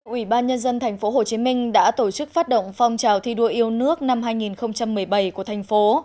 ủy ban nhân dân tp hcm đã tổ chức phát động phong trào thi đua yêu nước năm hai nghìn một mươi bảy của thành phố